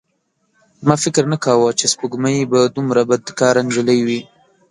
ما فکر نه کاوه چې سپوږمۍ به دومره بدکاره نجلۍ وي.